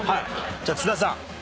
じゃあ津田さんＤＸ。